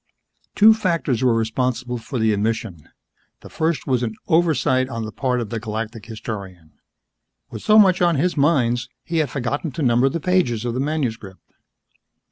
Two factors were responsible for the omission. The first was an oversight on the part of the Galactic Historian. With so much on his minds, he had forgotten to number the pages of the manuscript.